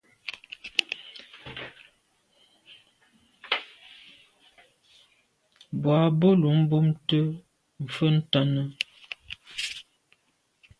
Boa bo lo bumte mfe ntàne.